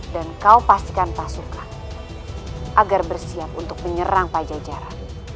dan kau pastikan pasukan agar bersiap untuk menyerang taja jara